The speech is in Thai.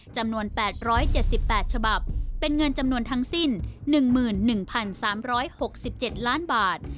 จำนวน๘๗๘ฉบับเป็นเงินจำนวนทั้งสิ้น๑๑๓๖๗ล้านบาท